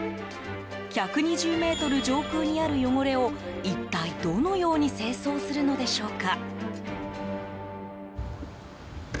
１２０ｍ上空にある汚れを一体、どのように清掃するのでしょうか。